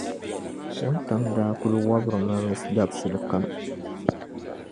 Wuntaŋ’ daa kul wɔbiri ma mi dabisili kam.